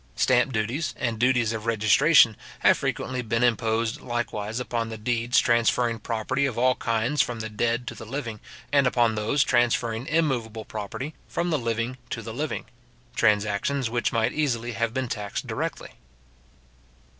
Stamp duties, and duties of registration, have frequently been imposed likewise upon the deeds transferring property of all kinds from the dead to the living, and upon those transferring immoveable property from the living to the living; transactions which might easily have been taxed directly.